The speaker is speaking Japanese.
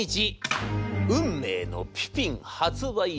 運命のピピン発売初日。